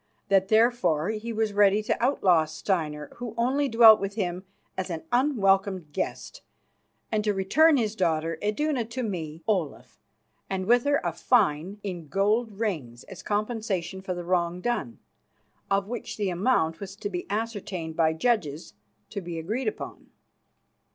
That, therefore, he was ready to outlaw Steinar, who only dwelt with him as an unwelcome guest, and to return his daughter, Iduna, to me, Olaf, and with her a fine in gold rings as compensation for the wrong done, of which the amount was to be ascertained by judges to be agreed upon.